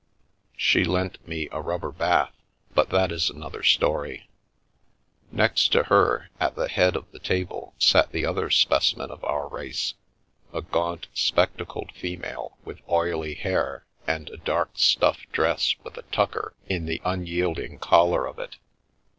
She lent me a rubber bath, but that is another story. Next to her, at the head of the table, sat the other specimen of our race — a gaunt, spectacled female, with oily hair, and a dark stuff dress with a "tucker" in the unyielding collar of it.